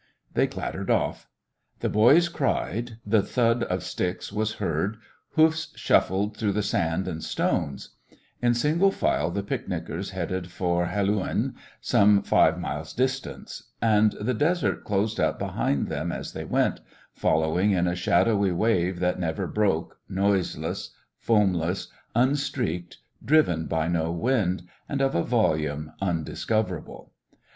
They clattered off. The boys cried; the thud of sticks was heard; hoofs shuffled through the sand and stones. In single file the picnickers headed for Helouan, some five miles distant. And the desert closed up behind them as they went, following in a shadowy wave that never broke, noiseless, foamless, unstreaked, driven by no wind, and of a volume undiscoverable.